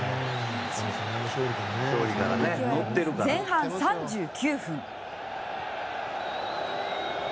前半３９分。